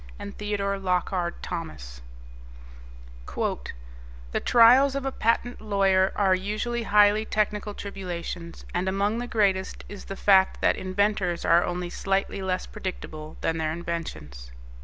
pgdp.net The Professional Approach The trials of a patent lawyer are usually highly technical tribulations and among the greatest is the fact that Inventors are only slightly less predictable than their Inventions!